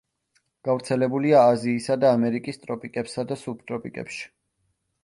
გავრცელებულია აზიისა და ამერიკის ტროპიკებსა და სუბტროპიკებში.